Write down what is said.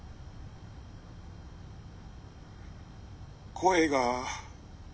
「声が」。